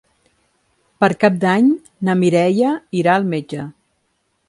Per Cap d'Any na Mireia irà al metge.